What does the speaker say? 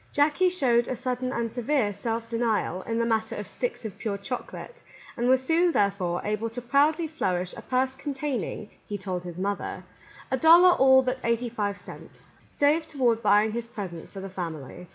Jackie showed a sudden and severe self denial in the matter of sticks of pure chocolate, and was soon, therefore, able to proudly flourish a purse containing, he told his mother, "a dollar all but eighty five cents," saved toward buying his presents for the family.